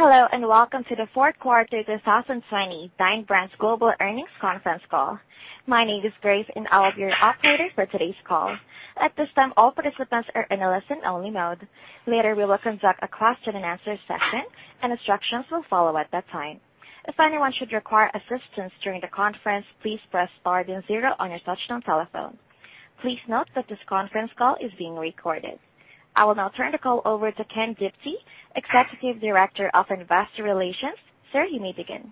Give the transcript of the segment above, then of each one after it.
Hello, and welcome to the fourth quarter 2020 Dine Brands Global earnings conference call. My name is Grace, and I'll be your operator for today's call. At this time, all participants are in a listen-only mode. Later, we will conduct a question and answer session, and instructions will follow at that time. If anyone should require assistance during the conference, please press Star then zero on your touchtone telephone. Please note that this conference call is being recorded. I will now turn the call over to Ken Diptee, Executive Director of Investor Relations. Sir, you may begin.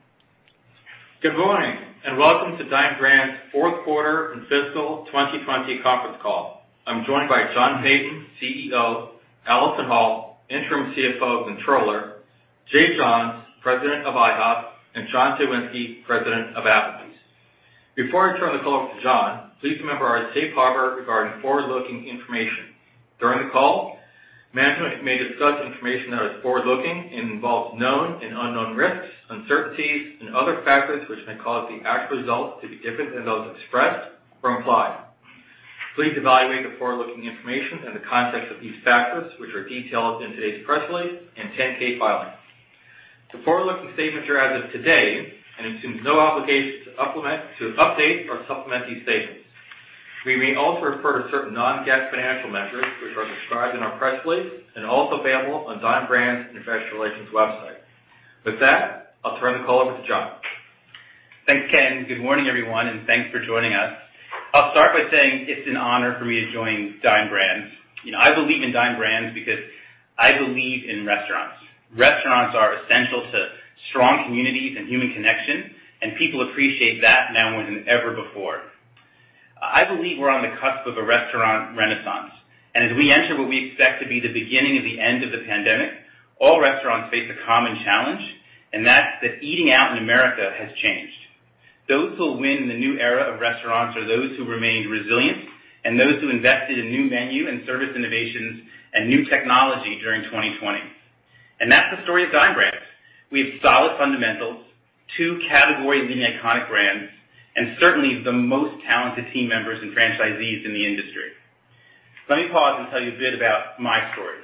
Good morning, and welcome to Dine Brands' fourth quarter and fiscal 2020 conference call. I'm joined by John Peyton, CEO, Allison Hall, Interim CFO and Controller, Jay Johns, President of IHOP, and John Cywinski, President of Applebee's. Before I turn the call over to John, please remember our safe harbor regarding forward-looking information. During the call, management may discuss information that is forward-looking and involves known and unknown risks, uncertainties, and other factors which may cause the actual results to be different than those expressed or implied. Please evaluate the forward-looking information in the context of these factors, which are detailed in today's press release and 10-K filing. The forward-looking statements are as of today and assume no obligation to update or supplement these statements. We may also refer to certain non-GAAP financial measures, which are described in our press release and also available on Dine Brands' Investor Relations website. With that, I'll turn the call over to John. Thanks, Ken. Good morning, everyone, and thanks for joining us. I'll start by saying it's an honor for me to join Dine Brands. I believe in Dine Brands because I believe in restaurants. Restaurants are essential to strong communities and human connection, and people appreciate that now more than ever before. I believe we're on the cusp of a restaurant renaissance, and as we enter what we expect to be the beginning of the end of the pandemic, all restaurants face a common challenge, and that's that eating out in America has changed. Those who'll win the new era of restaurants are those who remained resilient and those who invested in new menu and service i nnovations and new technology during 2020. That's the story of Dine Brands. We have solid fundamentals, two category-leading iconic brands, and certainly the most talented team members and franchisees in the industry. Let me pause and tell you a bit about my story.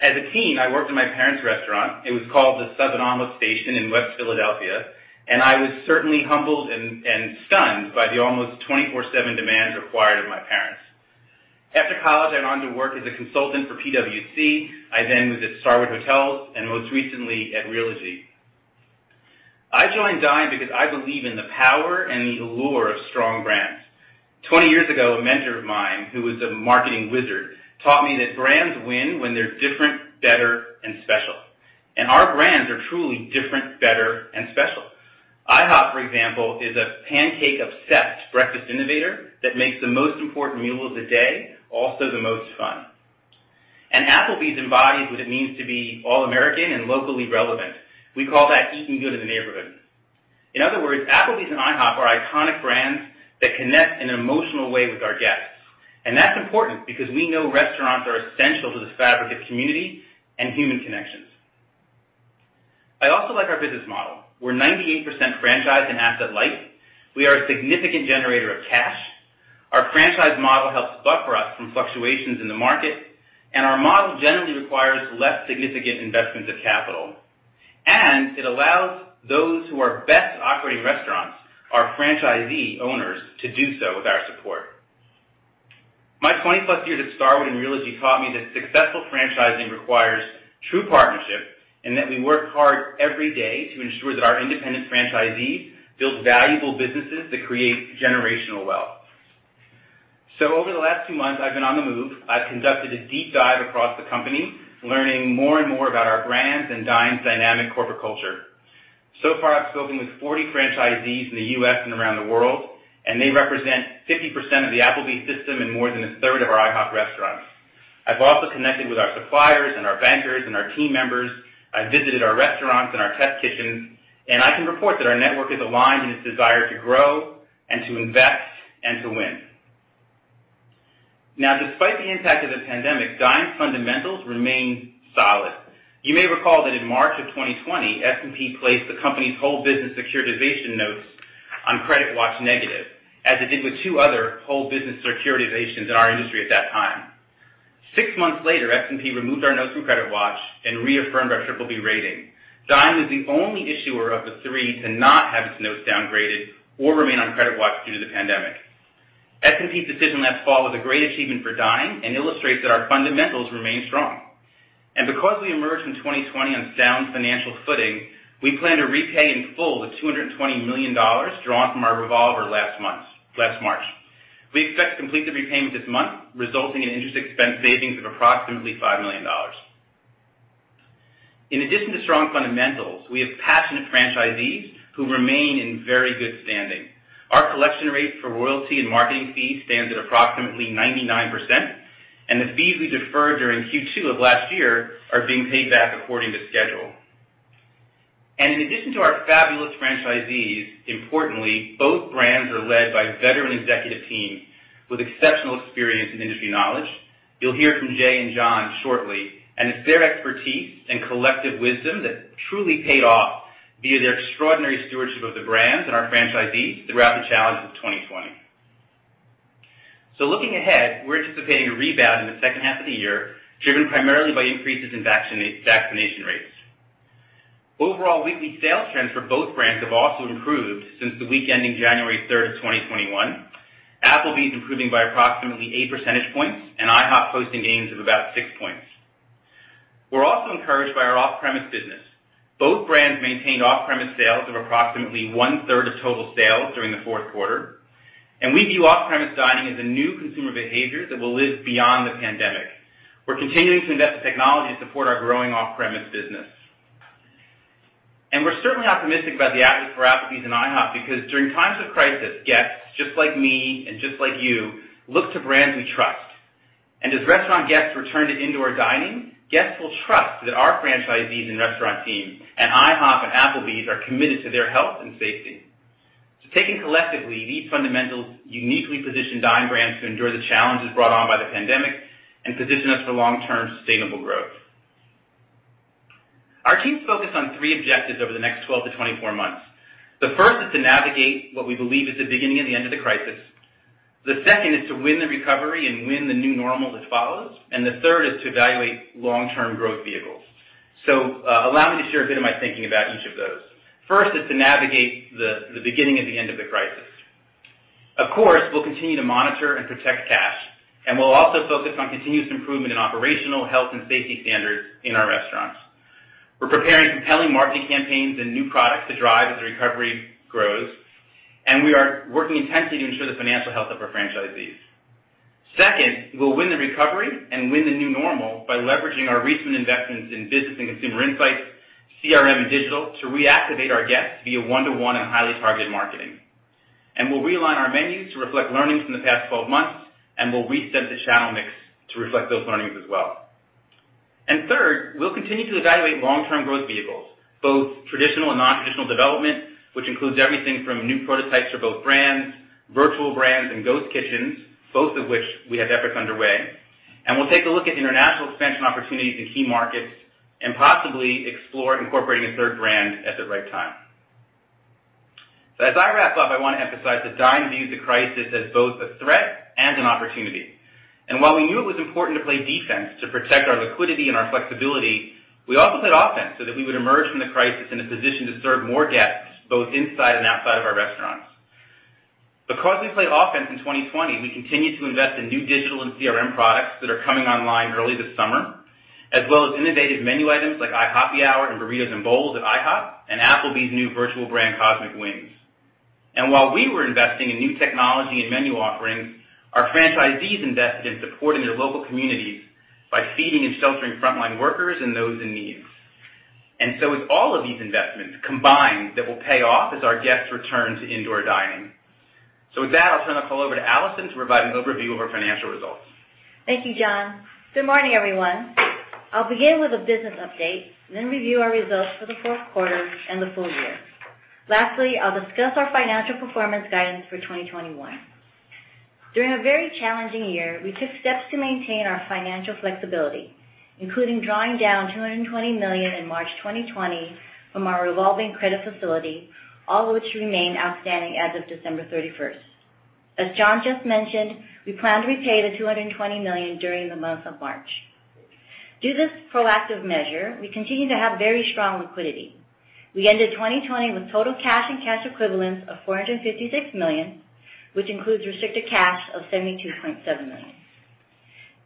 As a teen, I worked in my parents' restaurant. It was called the Southern Omelet Station in West Philadelphia, and I was certainly humbled and stunned by the almost 24/7 demand required of my parents. After college, I went on to work as a consultant for PwC. I then was at Starwood Hotels, and most recently at Realogy. I joined Dine because I believe in the power and the allure of strong brands. 20 years ago, a mentor of mine, who was a marketing wizard, taught me that brands win when they're different, better, and special. Our brands are truly different, better, and special. IHOP, for example, is a pancake-obsessed breakfast innovator that makes the most important meal of the day also the most fun. Applebee's embodies what it means to be all American and locally relevant. We call that Eatin' Good in the Neighborhood. In other words, Applebee's and IHOP are iconic brands that connect in an emotional way with our guests. That's important because we know restaurants are essential to the fabric of community and human connections. I also like our business model. We're 98% franchised and asset light. We are a significant generator of cash. Our franchise model helps buffer us from fluctuations in the market, and our model generally requires less significant investments of capital, and it allows those who are best at operating restaurants, our franchisee owners, to do so with our support. My 20-plus years at Starwood and Realogy taught me that successful franchising requires true partnership and that we work hard every day to ensure that our independent franchisees build valuable businesses that create generational wealth. Over the last two months, I've been on the move. I've conducted a deep dive across the company, learning more and more about our brands and Dine's dynamic corporate culture. So far, I've spoken with 40 franchisees in the U.S. and around the world, and they represent 50% of the Applebee's system and more than a third of our IHOP restaurants. I've also connected with our suppliers and our bankers and our team members. I visited our restaurants and our test kitchens, and I can report that our network is aligned in its desire to grow and to invest and to win. Now, despite the impact of the pandemic, Dine's fundamentals remain solid. You may recall that in March of 2020, S&P placed the company's whole business securitization notes on credit watch negative, as it did with two other whole business securitizations in our industry at that time. Six months later, S&P removed our notes from credit watch and reaffirmed our BBB rating. Dine was the only issuer of the three to not have its notes downgraded or remain on credit watch due to the pandemic. S&P's decision last fall was a great achievement for Dine and illustrates that our fundamentals remain strong. Because we emerged in 2020 on sound financial footing, we plan to repay in full the $220 million drawn from our revolver last March. We expect to complete the repayment this month, resulting in interest expense savings of approximately $5 million. In addition to strong fundamentals, we have passionate franchisees who remain in very good standing. Our collection rate for royalty and marketing fees stands at approximately 99%, and the fees we deferred during Q2 of last year are being paid back according to schedule. In addition to our fabulous franchisees, importantly, both brands are led by veteran executive teams with exceptional experience and industry knowledge. You'll hear from Jay and John shortly, and it's their expertise and collective wisdom that truly paid off via their extraordinary stewardship of the brands and our franchisees throughout the challenges of 2020. Looking ahead, we're anticipating a rebound in the second half of the year, driven primarily by increases in vaccination rates. Overall weekly sales trends for both brands have also improved since the week ending January 3rd, 2021. Applebee's improving by approximately 8 percentage points, and IHOP posting gains of about six points. We're also encouraged by our off-premise business. Both brands maintained off-premise sales of approximately 1/3 of total sales during the fourth quarter, and we view off-premise dining as a new consumer behavior that will live beyond the pandemic. We're continuing to invest in technology to support our growing off-premise business. We're certainly optimistic about the outlook for Applebee's and IHOP because during times of crisis, guests, just like me and just like you, look to brands we trust. As restaurant guests return to indoor dining, guests will trust that our franchisees and restaurant teams and IHOP and Applebee's are committed to their health and safety. Taken collectively, these fundamentals uniquely position Dine Brands to endure the challenges brought on by the pandemic and position us for long-term sustainable growth. Our team's focused on three objectives over the next 12-24 months. The first is to navigate what we believe is the beginning of the end of the crisis. The second is to win the recovery and win the new normal that follows. The third is to evaluate long-term growth vehicles. Allow me to share a bit of my thinking about each of those. First is to navigate the beginning of the end of the crisis. Of course, we'll continue to monitor and protect cash, and we'll also focus on continuous improvement in operational health and safety standards in our restaurants. We're preparing compelling marketing campaigns and new products to drive as the recovery grows, and we are working intensely to ensure the financial health of our franchisees. Second, we'll win the recovery and win the new normal by leveraging our recent investments in business and consumer insights, CRM, and digital to reactivate our guests via one-to-one and highly targeted marketing. We'll realign our menus to reflect learnings from the past 12 months, and we'll reset the channel mix to reflect those learnings as well. Third, we'll continue to evaluate long-term growth vehicles, both traditional and non-traditional development, which includes everything from new prototypes for both brands, virtual brands, and ghost kitchens, both of which we have efforts underway. We'll take a look at international expansion opportunities in key markets and possibly explore incorporating a thi rd brand at the right time. As I wrap up, I want to emphasize that Dine views the crisis as both a threat and an opportunity. While we knew it was important to play defense to protect our liquidity and our flexibility, we also played offense so that we would emerge from the crisis in a position to serve more guests, both inside and outside of our restaurants. Because we played offense in 2020, we continue to invest in new digital and CRM products that are coming online early this summer, as well as innovative menu items like IHOPPY Hour and Burritos & Bowls at IHOP, and Applebee's new virtual brand, Cosmic Wings. While we were investing in new technology and menu offerings, our franchisees invested in supporting their local communities by feeding and sheltering frontline workers and those in need. It's all of these investments combined that will pay off as our guests return to indoor dining. With that, I'll turn the call over to Allison to provide an overview of our financial results. Thank you, John. Good morning, everyone. I will begin with a business update, then review our results for the fourth quarter and the full year. Lastly, I will discuss our financial performance guidance for 2021. During a very challenging year, we took steps to maintain our financial flexibility, including drawing down $220 million in March 2020 from our revolving credit facility, all of which remain outstanding as of December 31st. As John just mentioned, we plan to repay the $220 million during the month of March. Through this proactive measure, we continue to have very strong liquidity. We ended 2020 with total cash and cash equivalents of $456 million, which includes restricted cash of $72.7 million.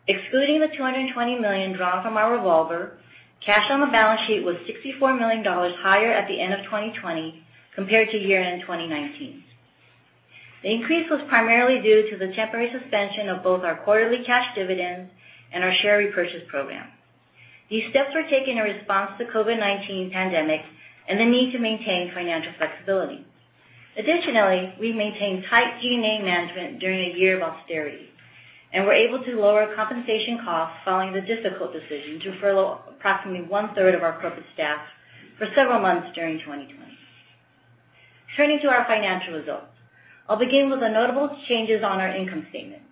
Excluding the $220 million drawn from our revolver, cash on the balance sheet was $64 million higher at the end of 2020 compared to year-end 2019. The increase was primarily due to the temporary suspension of both our quarterly cash dividends and our share repurchase program. These steps were taken in response to COVID-19 pandemic and the need to maintain financial flexibility. Additionally, we've maintained tight G&A management during a year of austerity, and were able to lower compensation costs following the difficult decision to furlough approximately one-third of our corporate staff for several months during 2020. Turning to our financial results. I'll begin with the notable changes on our income statement.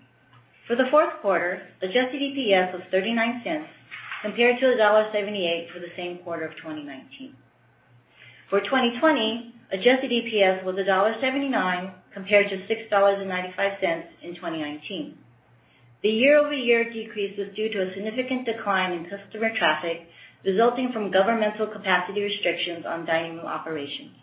For the fourth quarter, adjusted EPS was $0.39 compared to $1.78 for the same quarter of 2019. For 2020, adjusted EPS was $1.79, compared to $6.95 in 2019. The year-over-year decrease was due to a significant decline in customer traffic resulting from governmental capacity restrictions on Dine Brands operations.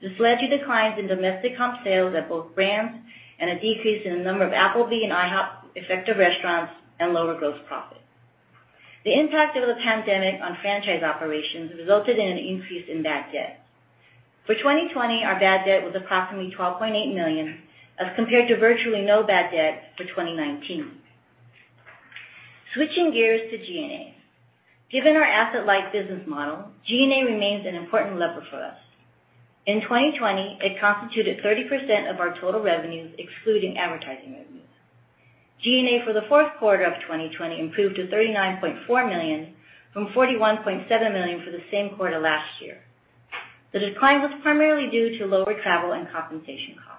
This led to declines in domestic comp sales at both brands and a decrease in the number of Applebee's and IHOP effective restaurants and lower gross profit. The impact of the pandemic on franchise operations resulted in an increase in bad debt. For 2020, our bad debt was approximately $12.8 million as compared to virtually no bad debt for 2019. Switching gears to G&A. Given our asset-light business model, G&A remains an important lever for us. In 2020, it constituted 30% of our total revenues, excluding advertising revenues. G&A for the fourth quarter of 2020 improved to $39.4 million from $41.7 million for the same quarter last year. The decline was primarily due to lower travel and compensation costs.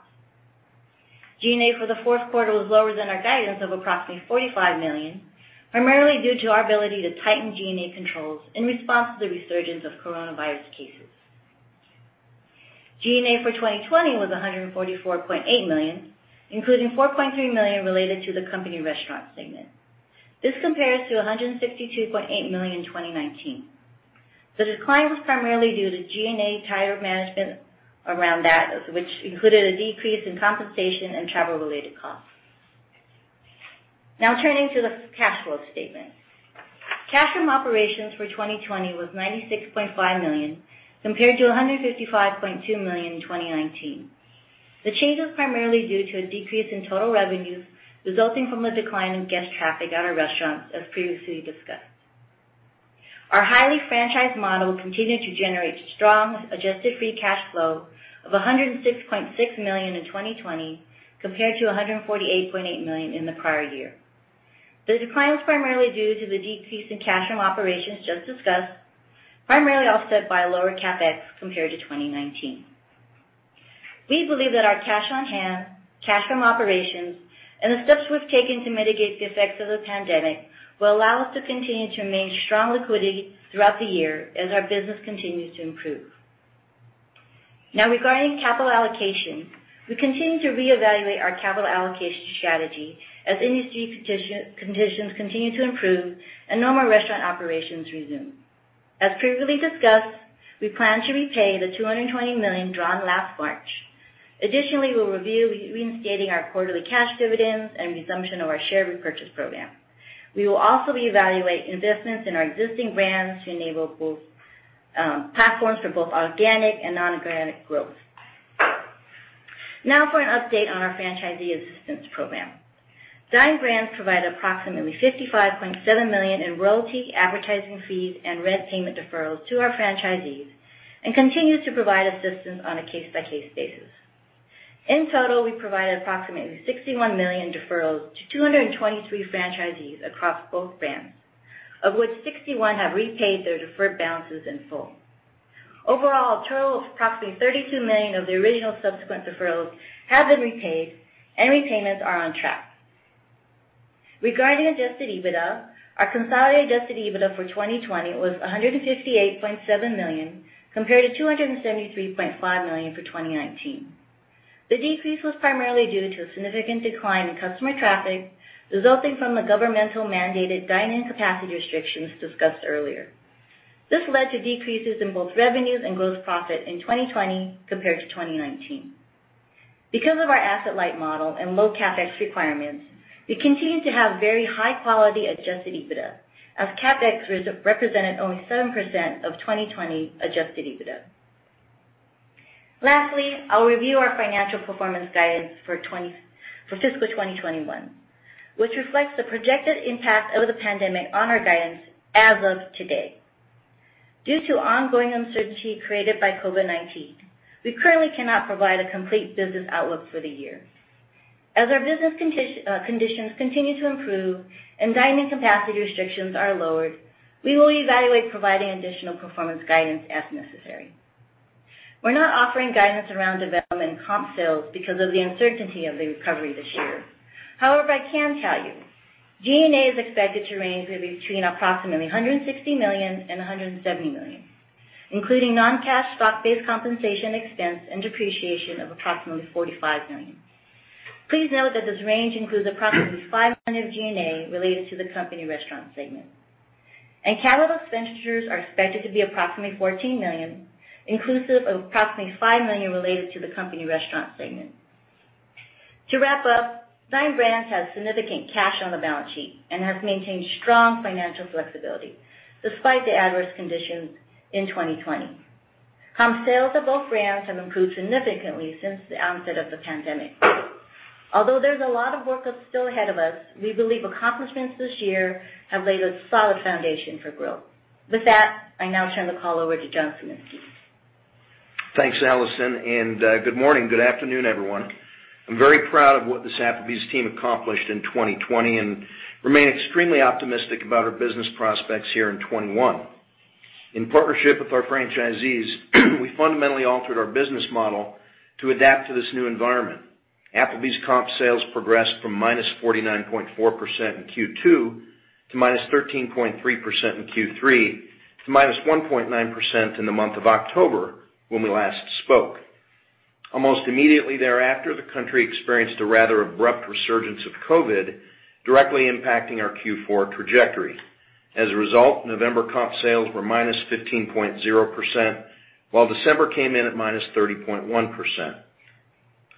G&A for the fourth quarter was lower than our guidance of approximately $45 million, primarily due to our ability to tighten G&A controls in response to the resurgence of coronavirus cases. G&A for 2020 was $144.8 million, including $4.3 million related to the company restaurant segment. This compares to $162.8 million in 2019. The decline was primarily due to G&A tighter management around that, which included a decrease in compensation and travel-related costs. Turning to the cash flow statement. Cash from operations for 2020 was $96.5 million, compared to $155.2 million in 2019. The change is primarily due to a decrease in total revenues resulting from a decline in guest traffic at our restaurants, as previously discussed. Our highly franchised model continued to generate strong adjusted free cash flow of $106.6 million in 2020 compared to $148.8 million in the prior year. The decline is primarily due to the decrease in cash from operations just discussed, primarily offset by lower CapEx compared to 2019. We believe that our cash on hand, cash from operations, and the steps we've taken to mitigate the effects of the pandemic will allow us to continue to maintain strong liquidity throughout the year as our business continues to improve. Regarding capital allocation, we continue to reevaluate our capital allocation strategy as industry conditions continue to improve and normal restaurant operations resume. As previously discussed, we plan to repay the $220 million drawn last March. Additionally, we'll review reinstating our quarterly cash dividends and resumption of our share repurchase program. We will also reevaluate investments in our existing brands to enable platforms for both organic and non-organic growth. For an update on the Franchisee Assistance Program. Dine Brands provided approximately $55.7 million in royalty, advertising fees, and rent payment deferrals to our franchisees and continues to provide assistance on a case-by-case basis. In total, we provided approximately $61 million deferrals to 223 franchisees across both brands, of which 61 have repaid their deferred balances in full. Overall, a total of approximately $32 million of the original subsequent deferrals have been repaid, and repayments are on track. Regarding adjusted EBITDA, our consolidated adjusted EBITDA for 2020 was $158.7 million, compared to $273.5 million for 2019. The decrease was primarily due to a significant decline in customer traffic resulting from the governmental-mandated dine-in capacity restrictions discussed earlier. This led to decreases in both revenues and gross profit in 2020 compared to 2019. Because of our asset-light model and low CapEx requirements, we continue to have very high-quality adjusted EBITDA, as CapEx represented only 7% of 2020 adjusted EBITDA. I will review our financial performance guidance for fiscal 2021, which reflects the projected impact of the pandemic on our guidance as of today. Due to ongoing uncertainty created by COVID-19, we currently cannot provide a complete business outlook for the year. As our business conditions continue to improve and dine-in capacity restrictions are lowered, we will evaluate providing additional performance guidance as necessary. We are not offering guidance around domestic comp sales because of the uncertainty of the recovery this year. I can tell you G&A is expected to range between approximately $160 million and $170 million, including non-cash stock-based compensation expense and depreciation of approximately $45 million. Please note that this range includes approximately $5 million of G&A related to the company restaurant segment. Capital expenditures are expected to be approximately $14 million, inclusive of approximately $5 million related to the company restaurant segment. To wrap up, Dine Brands has significant cash on the balance sheet and has maintained strong financial flexibility despite the adverse conditions in 2020. Comp sales of both brands have improved significantly since the onset of the pandemic. Although there's a lot of work that's still ahead of us, we believe accomplishments this year have laid a solid foundation for growth. With that, I now turn the call over to John Cywinski. Thanks, Allison, and good morning, good afternoon, everyone. I'm very proud of what this Applebee's team accomplished in 2020 and remain extremely optimistic about our business prospects here in 2021. In partnership with our franchisees, we fundamentally altered our business model to adapt to this new environment. Applebee's comp sales progressed from -49.4% in Q2 to -13.3% in Q3 to -1.9% in the month of October, when we last spoke. Almost immediately thereafter, the country experienced a rather abrupt resurgence of COVID-19, directly impacting our Q4 trajectory. As a result, November comp sales were -15.0%, while December came in at -30.1%.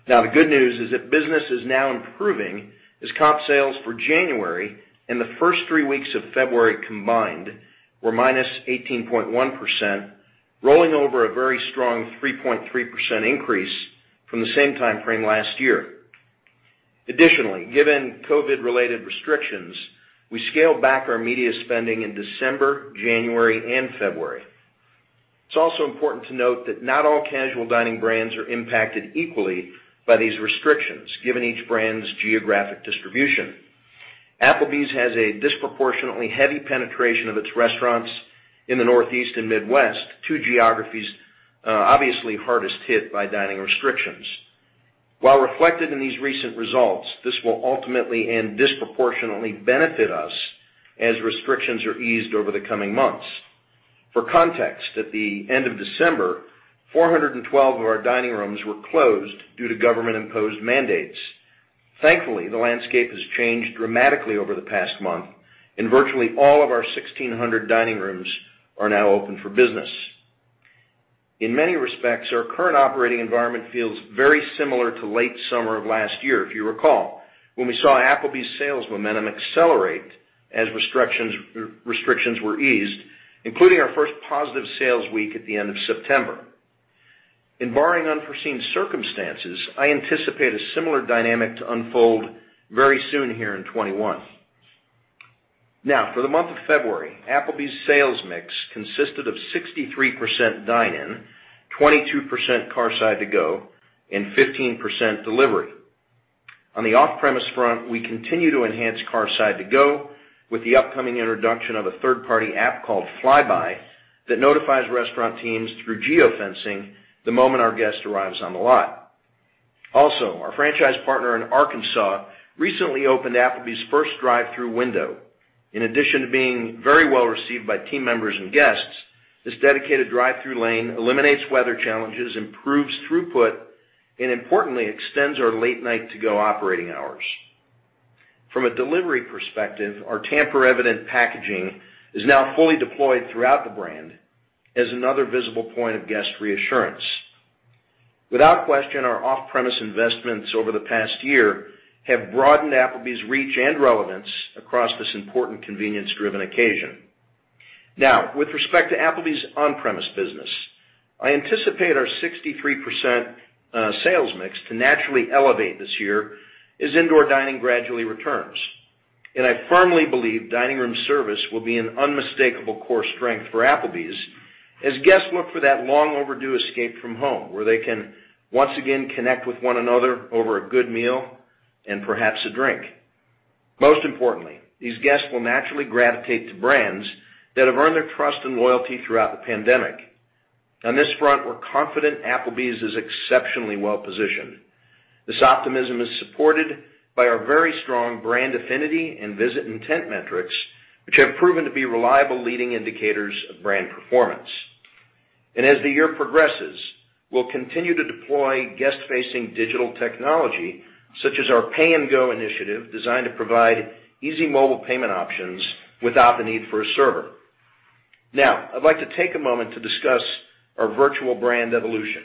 Now, the good news is that business is now improving, as comp sales for January and the first three weeks of February combined were -18.1%, rolling over a very strong 3.3% increase from the same timeframe last year. Additionally, given COVID-related restrictions, we scaled back our media spending in December, January, and February. It is also important to note that not all casual dining brands are impacted equally by these restrictions, given each brand's geographic distribution. Applebee's has a disproportionately heavy penetration of its restaurants in the Northeast and Midwest, two geographies obviously hardest hit by dining restrictions. While reflected in these recent results, this will ultimately and disproportionately benefit us as restrictions are eased over the coming months. For context, at the end of December, 412 of our dining rooms were closed due to government-imposed mandates. Thankfully, the landscape has changed dramatically over the past month, and virtually all of our 1,600 dining rooms are now open for business. In many respects, our current operating environment feels very similar to late summer of last year, if you recall, when we saw Applebee's sales momentum accelerate as restrictions were eased, including our first positive sales week at the end of September. Barring unforeseen circumstances, I anticipate a similar dynamic to unfold very soon here in 2021. For the month of February, Applebee's sales mix consisted of 63% dine-in, 22% Carside To Go, and 15% delivery. On the off-premise front, we continue to enhance Carside To Go with the upcoming introduction of a third-party app called Flybuy that notifies restaurant teams through geofencing the moment our guest arrives on the lot. Our franchise partner in Arkansas recently opened Applebee's first drive-thru window. In addition to being very well received by team members and guests, this dedicated drive-thru lane eliminates weather challenges, improves throughput, and importantly, extends our late-night to-go operating hours. From a delivery perspective, our tamper-evident packaging is now fully deployed throughout the brand as another visible point of guest reassurance. Without question, our off-premise investments over the past year have broadened Applebee's reach and relevance across this important convenience-driven occasion. Now, with respect to Applebee's on-premise business, I anticipate our 63% sales mix to naturally elevate this year as indoor dining gradually returns. I firmly believe dining room service will be an unmistakable core strength for Applebee's as guests look for that long overdue escape from home where they can once again connect with one another over a good meal and perhaps a drink. Most importantly, these guests will naturally gravitate to brands that have earned their trust and loyalty throughout the pandemic. On this front, we're confident Applebee's is exceptionally well-positioned. This optimism is supported by our very strong brand affinity and visit intent metrics, which have proven to be reliable leading indicators of brand performance. As the year progresses, we'll continue to deploy guest-facing digital technology, such as our Pay-N-Go initiative, designed to provide easy mobile payment options without the need for a server. I'd like to take a moment to discuss our virtual brand evolution.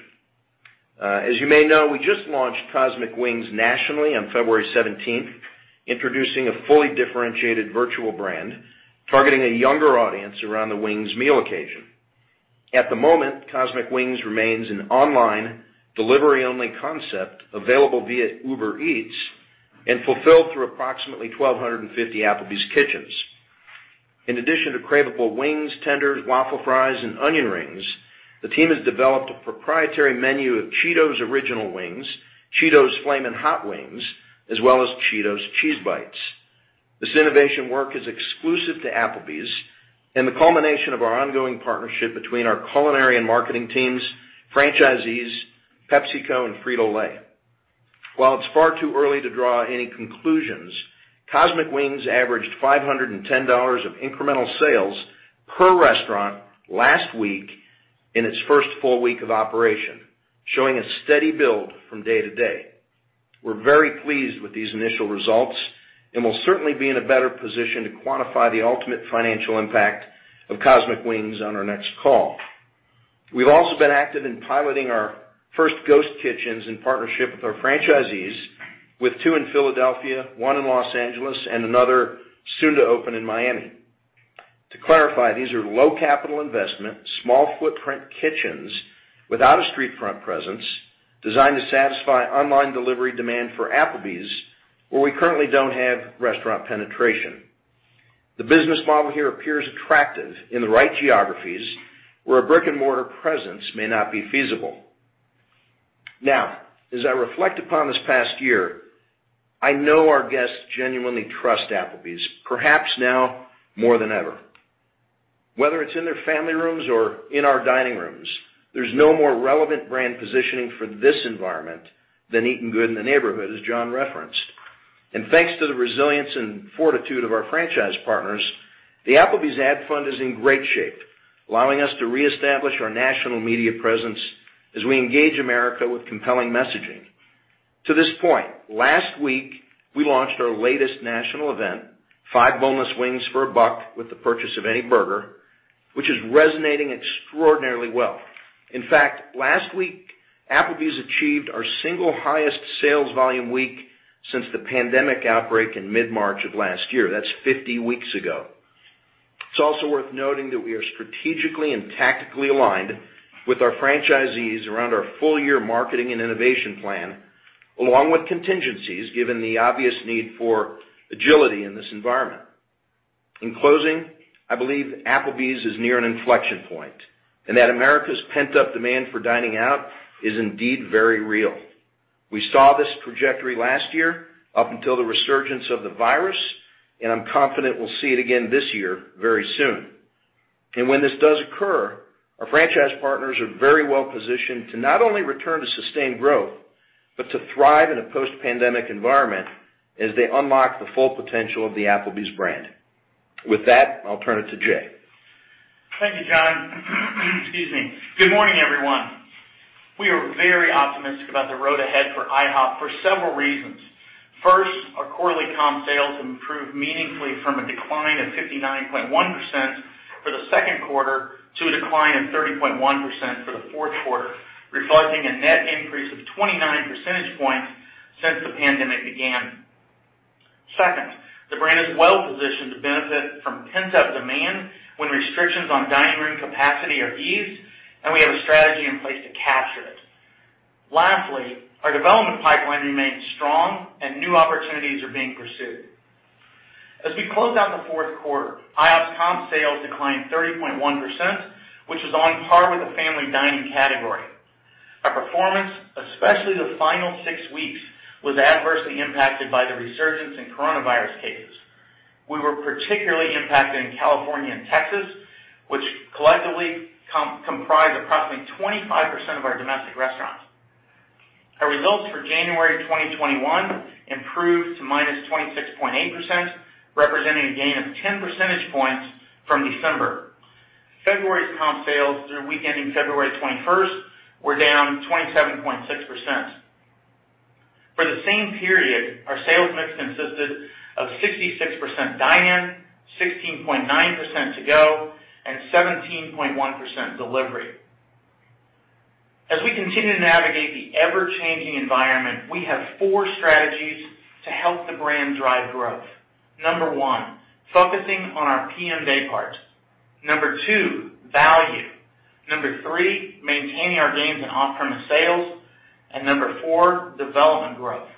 As you may know, we just launched Cosmic Wings nationally on February 17th, introducing a fully differentiated virtual brand targeting a younger audience around the wings meal occasion. At the moment, Cosmic Wings remains an online delivery-only concept available via Uber Eats and fulfilled through approximately 1,250 Applebee's Kitchens. In addition to cravable wings, tenders, waffle fries, and onion rings, the team has developed a proprietary menu of Cheetos Original Wings, Cheetos Flamin' Hot Wings, as well as Cheetos Cheese Bites. This innovation work is exclusive to Applebee's and the culmination of our ongoing partnership between our culinary and marketing teams, franchisees, PepsiCo, and Frito-Lay. While it's far too early to draw any conclusions, Cosmic Wings averaged $510 of incremental sales per restaurant last week in its first full week of operation, showing a steady build from day to day. We're very pleased with these initial results, and we'll certainly be in a better position to quantify the ultimate financial impact of Cosmic Wings on our next call. We've also been active in piloting our first ghost kitchens in partnership with our franchisees, with two in Philadelphia, one in Los Angeles, and another soon to open in Miami. To clarify, these are low capital investment, small footprint kitchens without a street front presence designed to satisfy online delivery demand for Applebee's where we currently don't have restaurant penetration. The business model here appears attractive in the right geographies where a brick-and-mortar presence may not be feasible. As I reflect upon this past year, I know our guests genuinely trust Applebee's, perhaps now more than ever. Whether it's in their family rooms or in our dining rooms, there's no more relevant brand positioning for this environment than Eatin' Good in the Neighborhood, as John referenced. Thanks to the resilience and fortitude of our franchise partners, the Applebee's ad fund is in great shape, allowing us to reestablish our national media presence as we engage America with compelling messaging. To this point, last week, we launched our latest national event, five boneless wings for $1 with the purchase of any burger, which is resonating extraordinarily well. In fact, last week, Applebee's achieved our single highest sales volume week since the pandemic outbreak in mid-March of last year. That's 50 weeks ago. It's also worth noting that we are strategically and tactically aligned with our franchisees around our full-year marketing and innovation plan, along with contingencies, given the obvious need for agility in this environment. In closing, I believe Applebee's is near an inflection point, and that America's pent-up demand for dining out is indeed very real. We saw this trajectory last year up until the resurgence of the virus, and I'm confident we'll see it again this year very soon. When this does occur, our franchise partners are very well positioned to not only return to sustained growth, but to thrive in a post-pandemic environment as they unlock the full potential of the Applebee's brand. With that, I'll turn it to Jay. Thank you, John. Excuse me. Good morning, everyone. We are very optimistic about the road ahead for IHOP for several reasons. First, our quarterly comp sales improved meaningfully from a decline of 59.1% for the second quarter to a decline of 30.1% for the fourth quarter, reflecting a net increase of 29 percentage points since the pandemic began. Second, the brand is well positioned to benefit from pent-up demand when restrictions on dining room capacity are eased, and we have a strategy in place to capture it. Lastly, our development pipeline remains strong, and new opportunities are being pursued. As we close out the fourth quarter, IHOP's comp sales declined 30.1%, which is on par with the family dining category. Our performance, especially the final six weeks, was adversely impacted by the resurgence in coronavirus cases. We were particularly impacted in California and Texas, which collectively comprise approximately 25% of our domestic restaurants. Our results for January 2021 improved to -26.8%, representing a gain of 10 percentage points from December. February's comp sales through weekending February 21st were down 27.6%. For the same period, our sales mix consisted of 66% dine-in, 16.9% to-go, and 17.1% delivery. As we continue to navigate the ever-changing environment, we have four strategies to help the brand drive growth. Number one, focusing on our PM day part. Number two, value. Number three, maintaining our gains in off-premise sales. Number four, development growth.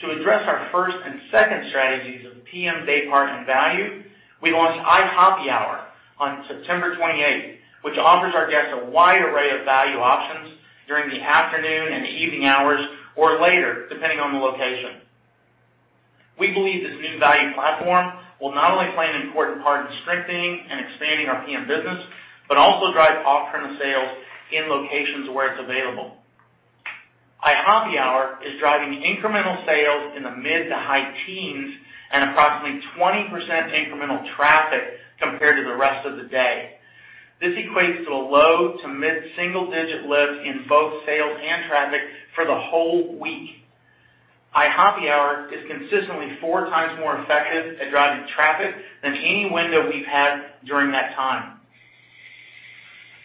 To address our first and second strategies of PM day part and value, we launched IHOPPY Hour on September 28th, which offers our guests a wide array of value options during the afternoon and the evening hours or later, depending on the location. We believe this new value platform will not only play an important part in strengthening and expanding our PM business, but also drive off-premise sales in locations where it's available. IHOPPY Hour is driving incremental sales in the mid to high teens at approximately 20% incremental traffic compared to the rest of the day. This equates to a low to mid-single digit lift in both sales and traffic for the whole week. IHOPPY Hour is consistently four times more effective at driving traffic than any window we've had during that time.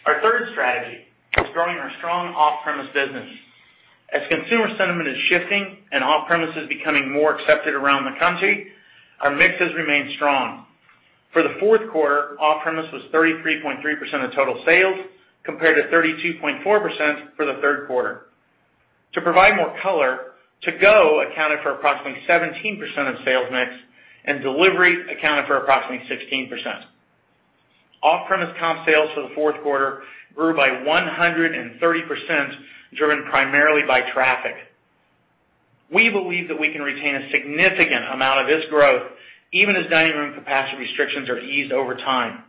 Our third strategy is growing our strong off-premise business. As consumer sentiment is shifting and off-premise is becoming more accepted around the country, our mixes remain strong. For the fourth quarter, off-premise was 33.3% of total sales, compared to 32.4% for the third quarter. To provide more color, to-go accounted for approximately 17% of sales mix, and delivery accounted for approximately 16%. Off-premise comp sales for the fourth quarter grew by 130%, driven primarily by traffic. We believe that we can retain a significant amount of this growth even as dining room capacity restrictions are eased over time.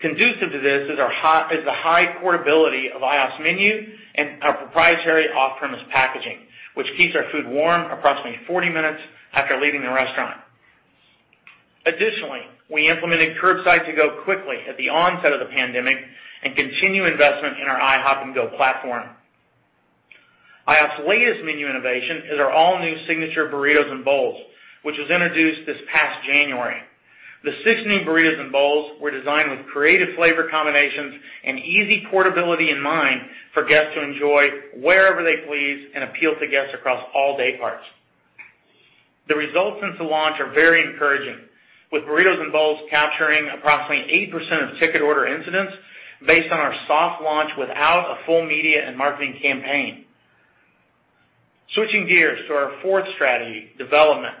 Conducive to this is the high portability of IHOP's menu and our proprietary off-premise packaging, which keeps our food warm approximately 40 minutes after leaving the restaurant. Additionally, we implemented Curbside To-Go quickly at the onset of the pandemic and continue investment in our IHOP 'N GO platform. IHOP's latest menu innovation is our all-new signature Burritos & Bowls, which was introduced this past January. The six new Burritos & Bowls were designed with creative flavor combinations and easy portability in mind for guests to enjoy wherever they please and appeal to guests across all day parts. The results since the launch are very encouraging, with Burritos & Bowls capturing approximately 8% of ticket order incidents based on our soft launch without a full media and marketing campaign. Switching gears to our fourth strategy, development.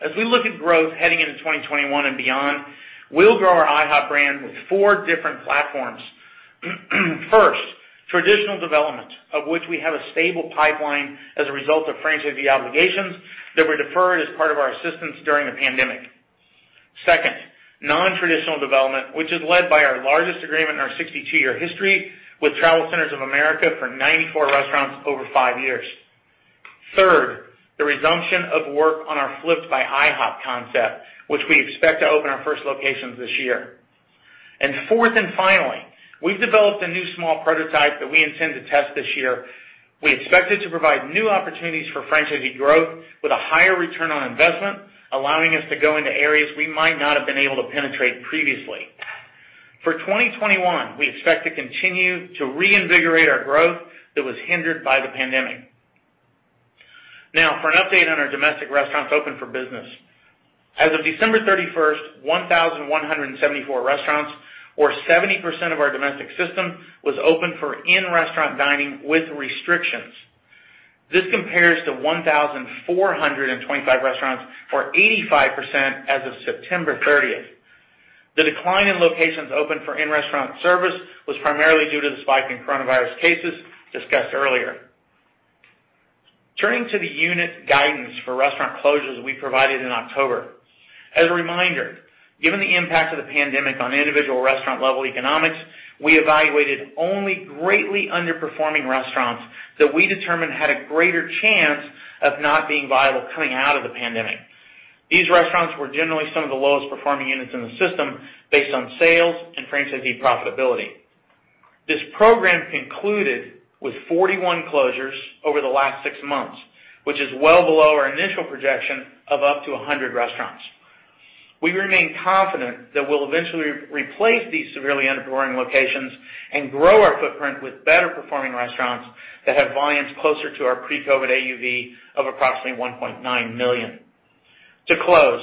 As we look at growth heading into 2021 and beyond, we'll grow our IHOP brand with four different platforms. First, traditional development, of which we have a stable pipeline as a result of franchisee obligations that were deferred as part of our assistance during the pandemic. Second, non-traditional development, which is led by our largest agreement in our 62-year history with TravelCenters of America for 94 restaurants over five years. Third, the resumption of work on our Flip'd by IHOP concept, which we expect to open our first locations this year. Fourth and finally, we've developed a new small prototype that we intend to test this year. We expect it to provide new opportunities for franchisee growth with a higher return on investment, allowing us to go into areas we might not have been able to penetrate previously. For 2021, we expect to continue to reinvigorate our growth that was hindered by the pandemic. For an update on our domestic restaurants open for business. As of December 31st, 1,174 restaurants or 70% of our domestic system was open for in-restaurant dining with restrictions. This compares to 1,425 restaurants or 85% as of September 30th. The decline in locations open for in-restaurant service was primarily due to the spike in COVID-19 cases discussed earlier. Turning to the unit guidance for restaurant closures we provided in October. As a reminder, given the impact of the pandemic on individual restaurant level economics, we evaluated only greatly underperforming restaurants that we determined had a greater chance of not being viable coming out of the pandemic. These restaurants were generally some of the lowest performing units in the system based on sales and franchisee profitability. This program concluded with 41 closures over the last six months, which is well below our initial projection of up to 100 restaurants. We remain confident that we'll eventually replace these severely underperforming locations and grow our footprint with better performing restaurants that have volumes closer to our pre-COVID AUV of approximately $1.9 million. To close,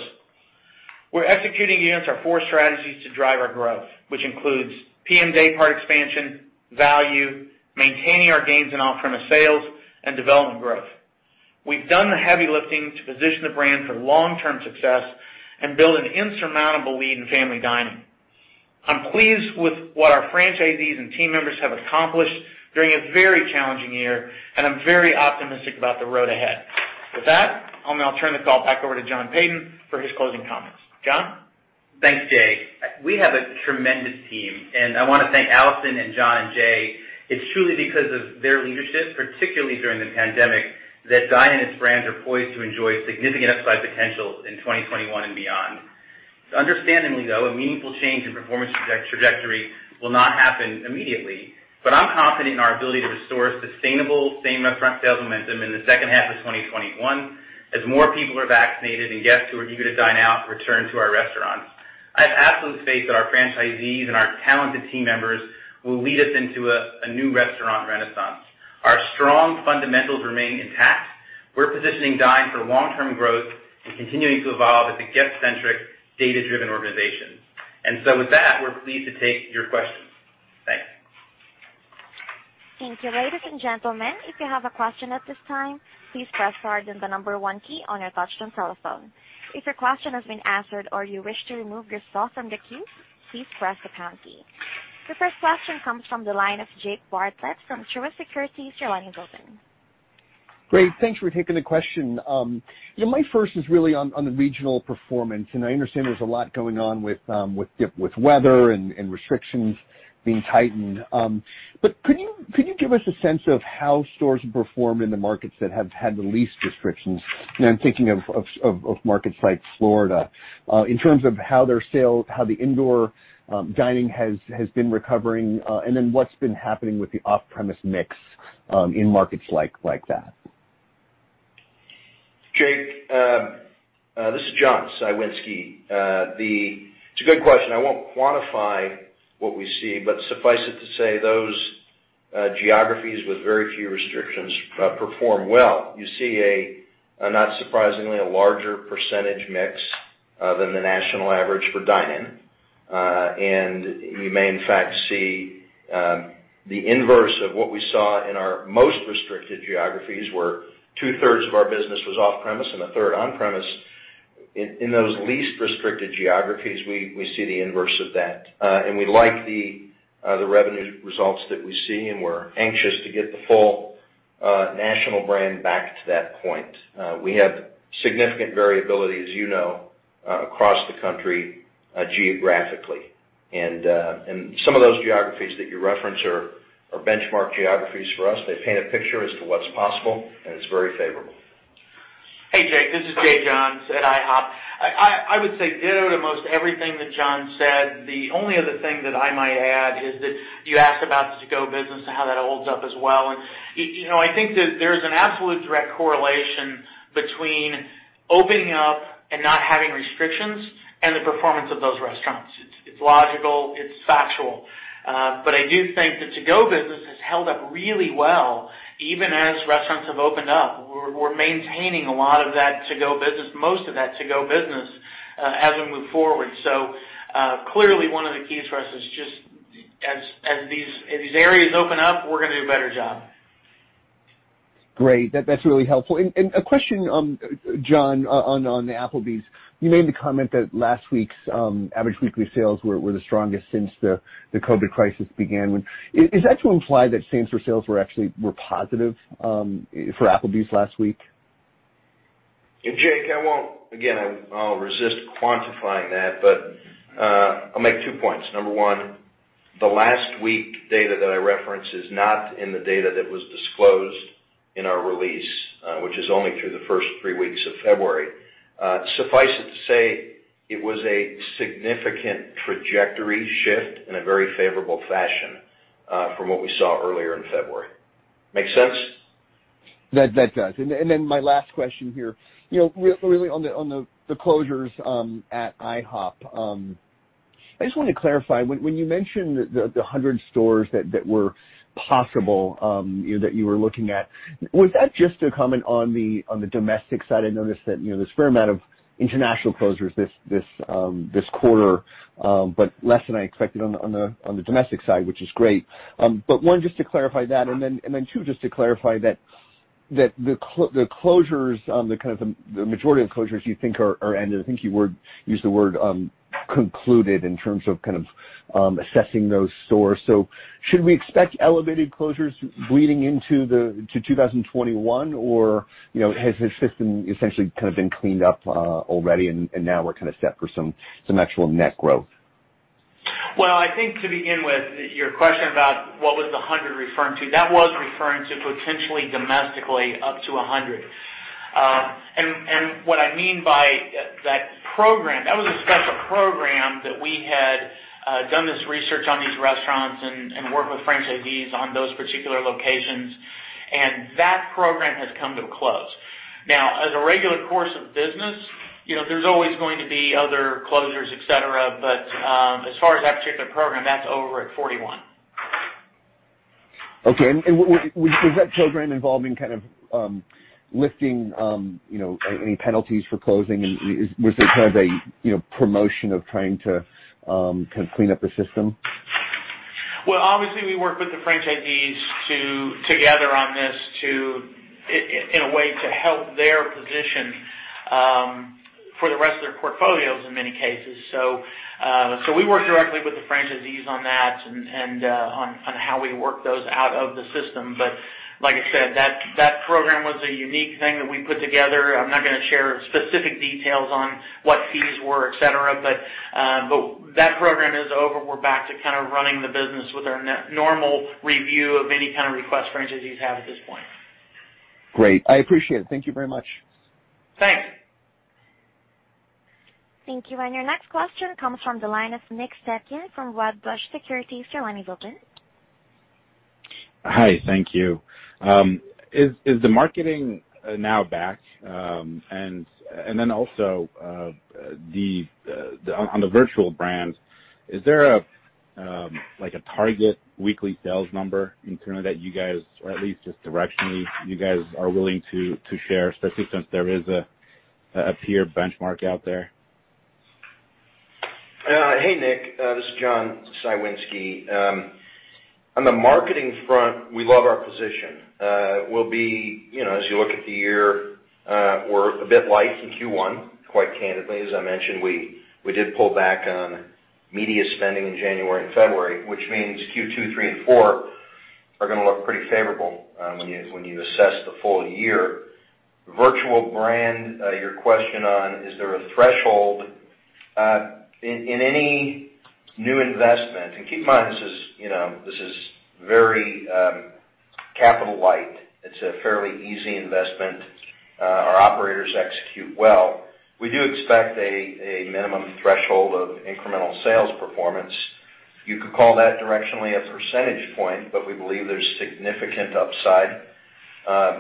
we're executing against our four strategies to drive our growth, which includes P.M. day part expansion, value, maintaining our gains in off-premise sales, and development growth. We've done the heavy lifting to position the brand for long-term success and build an insurmountable lead in family dining. I'm pleased with what our franchisees and team members have accomplished during a very challenging year, and I'm very optimistic about the road ahead. With that, I'll now turn the call back over to John Peyton for his closing comments. John? Thanks, Jay. We have a tremendous team, and I want to thank Allison and John and Jay. It's truly because of their leadership, particularly during the pandemic, that Dine and its brands are poised to enjoy significant upside potential in 2021 and beyond. Understandably, though, a meaningful change in performance trajectory will not happen immediately, but I'm confident in our ability to restore sustainable same restaurant sales momentum in the second half of 2021 as more people are vaccinated and guests who are eager to dine out return to our restaurants. I have absolute faith that our franchisees and our talented team members will lead us into a new restaurant renaissance. Our strong fundamentals remain intact. We're positioning Dine for long term growth and continuing to evolve as a guest centric, data driven organization. With that, we're pleased to take your questions. Thanks. Thank you. Ladies and gentlemen, if you have a question at this time, please press Star then the number one key on your touchtone telephone. If your question has been answered or you wish to remove yourself from the queue, please press the pound key. The first question comes from the line of Jake Bartlett from Truist Securities. Your line is open. Great. Thanks for taking the question. My first is really on the regional performance, and I understand there's a lot going on with weather and restrictions being tightened. Could you give us a sense of how stores have performed in the markets that have had the least restrictions? And I'm thinking of markets like Florida. In terms of how the indoor dining has been recovering, and then what's been happening with the off-premise mix in markets like that. Jake, this is John Cywinski. It's a good question. I won't quantify what we see, but suffice it to say, those geographies with very few restrictions perform well. You see, not surprisingly, a larger percentage mix than the national average for dine-in. You may, in fact, see the inverse of what we saw in our most restricted geographies, where two-thirds of our business was off-premise and a third on-premise. In those least restricted geographies, we see the inverse of that. We like the revenue results that we see, and we're anxious to get the full national brand back to that point. We have significant variability, as you know, across the country geographically. Some of those geographies that you reference are benchmark geographies for us. They paint a picture as to what's possible, and it's very favorable. Hey, Jake. This is Jay Johns at IHOP. I would say ditto to most everything that John said. The only other thing that I might add is that you asked about to-go business and how that holds up as well. I think that there's an absolute direct correlation between opening up and not having restrictions and the performance of those restaurants. It's logical, it's factual. I do think the to-go business has held up really well, even as restaurants have opened up. We're maintaining a lot of that to-go business, most of that to-go business, as we move forward. Clearly one of the keys for us is just as these areas open up, we're going to do a better job. Great. That's really helpful. A question, John, on the Applebee's. You made the comment that last week's average weekly sales were the strongest since the COVID-19 crisis began. Is that to imply that same store sales were actually positive for Applebee's last week? Jake, I won't, again, I'll resist quantifying that, but I'll make two points. Number one, the last week data that I referenced is not in the data that was disclosed in our release, which is only through the first three weeks of February. Suffice it to say, it was a significant trajectory shift in a very favorable fashion from what we saw earlier in February. Make sense? That does. My last question here, really on the closures at IHOP. I just want to clarify, when you mentioned the 100 stores that were possible, that you were looking at, was that just a comment on the domestic side? I noticed that there's a fair amount of international closures this quarter, but less than I expected on the domestic side, which is great. One, just to clarify that, two, just to clarify that the majority of closures you think are ended. I think you used the word concluded in terms of kind of assessing those stores. Should we expect elevated closures bleeding into 2021? Has the system essentially kind of been cleaned up already and now we're kind of set for some actual net growth? I think to begin with, your question about what was the 100 referring to, that was referring to potentially domestically up to 100. What I mean by that program, that was a special program that we had done this research on these restaurants and worked with franchisees on those particular locations, and that program has come to a close. As a regular course of business, there's always going to be other closures, et cetera. As far as that particular program, that's over at 41. Okay, was that program involving kind of lifting any penalties for closing, and was it kind of a promotion of trying to clean up the system? Well, obviously we work with the franchisees together on this in a way to help their position for the rest of their portfolios in many cases. We work directly with the franchisees on that and on how we work those out of the system. Like I said, that Program was a unique thing that we put together. I'm not going to share specific details on what fees were, et cetera, that Program is over. We're back to kind of running the business with our normal review of any kind of requests franchisees have at this point. Great. I appreciate it. Thank you very much. Thanks. Thank you. Your next question comes from the line of Nick Setyan from Wedbush Securities. Your line is open. Hi. Thank you. Is the marketing now back? Also on the virtual brands, is there like a target weekly sales number internally that you guys, or at least just directionally, you guys are willing to share, especially since there is a peer benchmark out there? Hey, Nick, this is John Cywinski. On the marketing front, we love our position. As you look at the year, we're a bit light in Q1, quite candidly. As I mentioned, we did pull back on media spending in January and February, which means Q2, three, and four are going to look pretty favorable when you assess the full year. Virtual brand, your question on, is there a threshold? In any new investment, and keep in mind, this is very capital light. It's a fairly easy investment. Our operators execute well. We do expect a minimum threshold of incremental sales performance. You could call that directionally a percentage point, but we believe there's significant upside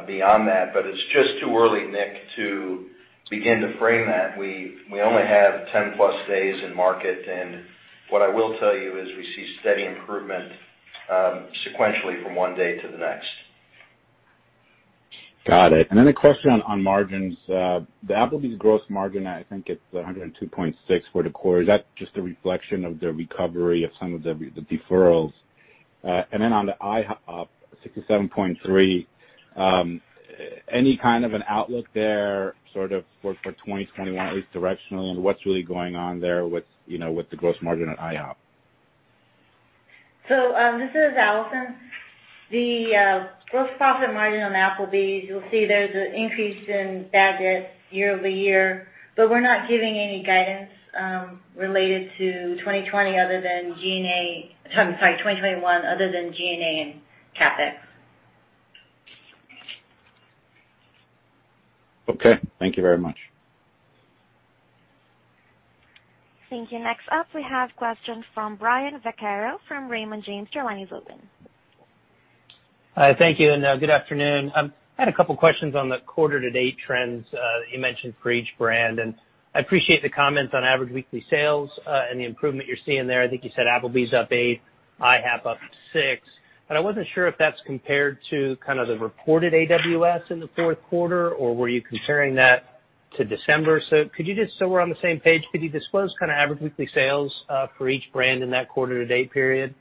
beyond that. It's just too early, Nick, to begin to frame that. We only have 10+ days in market. What I will tell you is we see steady improvement sequentially from one day to the next. Got it. A question on margins. The Applebee's gross margin, I think it's 102.6% for the quarter. Is that just a reflection of the recovery of some of the deferrals? On the IHOP 67.3%, any kind of an outlook there sort of for 2021, at least directionally, and what's really going on there with the gross margin at IHOP? This is Allison. The gross profit margin on Applebee's, you'll see there's an increase in bad debts year-over-year, but we're not giving any guidance related to 2020, I'm sorry, 2021 other than G&A and CapEx. Okay. Thank you very much. Thank you. Next up, we have a question from Brian Vaccaro from Raymond James. Your line is open. Thank you, and good afternoon. I had a couple questions on the quarter to date trends that you mentioned for each brand. I appreciate the comments on average weekly sales and the improvement you're seeing there. I think you said Applebee's up eight, IHOP up six. I wasn't sure if that's compared to kind of the reported AWS in the fourth quarter, or were you comparing that to December? Just so we're on the same page, could you disclose kind of average weekly sales for each brand in that quarter to date period?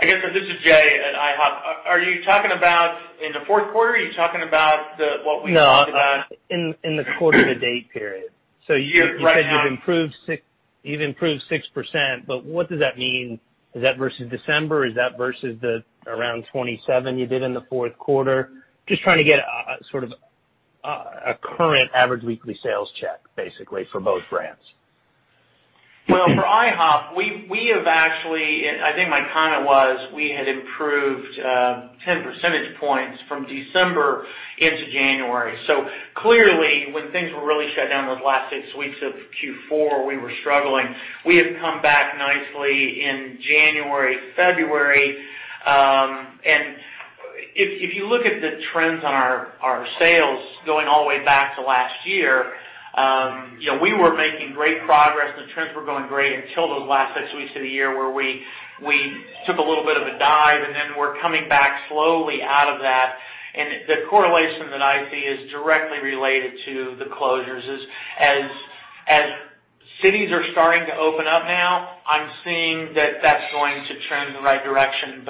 I guess, this is Jay at IHOP. Are you talking about in the fourth quarter, are you talking about what we talked about? No, in the quarter to date period. Right. You said you've improved 6%, but what does that mean? Is that versus December? Is that versus the around 27 you did in the fourth quarter? Just trying to get sort of a current average weekly sales check, basically, for both brands. Well, for IHOP, we have actually, I think my comment was we had improved 10 percentage points from December into January. Clearly, when things were really shut down those last six weeks of Q4, we were struggling. We have come back nicely in January, February. If you look at the trends on our sales going all the way back to last year, we were making great progress and the trends were going great until those last six weeks of the year where we took a little bit of a dive, then we're coming back slowly out of that. The correlation that I see is directly related to the closures. As cities are starting to open up now, I'm seeing that that's going to trend in the right direction.